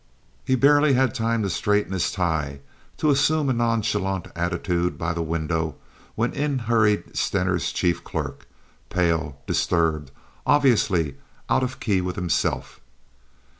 He barely had time to straighten his tie, to assume a nonchalant attitude by the window, when in hurried Stener's chief clerk—pale, disturbed, obviously out of key with himself.